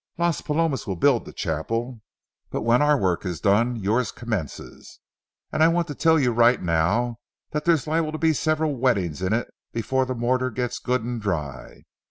Las Palomas will build the chapel, but when our work is done yours commences. And I want to tell you right now, there's liable to be several weddings in it before the mortar gets good and dry.